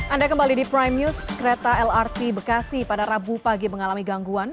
anda kembali di prime news kereta lrt bekasi pada rabu pagi mengalami gangguan